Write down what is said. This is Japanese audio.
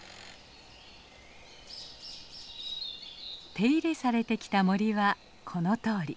手入れされてきた森はこのとおり。